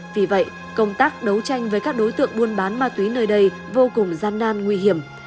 vì vậy công tác đấu tranh với các đối tượng buôn bán ma túy nơi đây vô cùng gian nan nguy hiểm